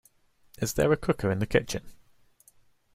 Is there a cooker in the kitchen?